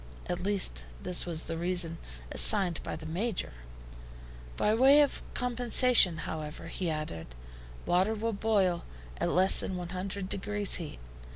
At least, this was the reason assigned by the Major. "By way of compensation, however," he added, "water will boil at less than 100 degrees heat.